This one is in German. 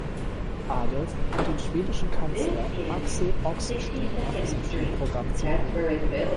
Adolf und den schwedischen Kanzler Axel Oxenstierna für sein Schulprogramm zu gewinnen.